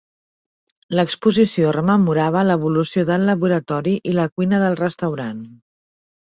L'exposició rememorava l'evolució del laboratori i la cuina del restaurant.